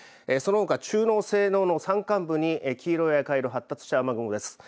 そのほか中濃、西濃の山間部に黄色や赤色、発達した雨雲です。